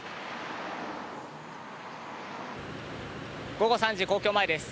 午後３時、皇居前です。